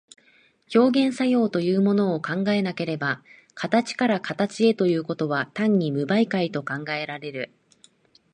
表現作用というものを考えなければ、形から形へということは単に無媒介と考えられる。